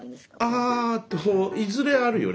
あといずれあるよね。